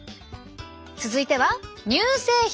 続いては乳製品。